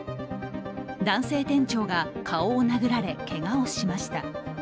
男性店長が顔を殴られけがをしました。